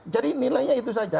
jadi nilainya itu saja